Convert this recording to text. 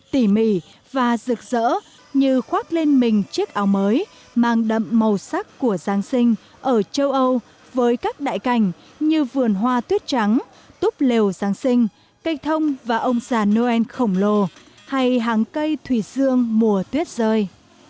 tỉ mỉ và rực rỡ như khoác lên mình chiếc áo mới mang đậm màu sắc của giáng sinh ở châu âu với các đại cảnh như vườn hoa tuyết trắng túp lều giáng sinh cây thông và ông già noel khổng lồ hay hàng cây thủy dương mùa tuyết rơi